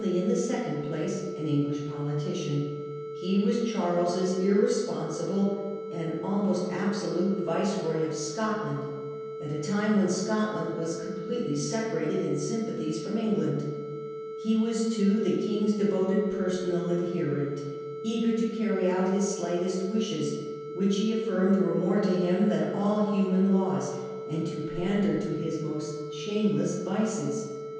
and the jCabal 1671. second place an English politician/ He was Charles's irresponsible and almost absolute viceroy of Scotland, at a time when Scotland was completely separated in sympathies from England. He was, too, the Lauderdale. K j n g> s devoted personal adherent, eager to carry out his slightest wishes, which he affirmed were more to him than all human laws, and the pander to his most shameless vices.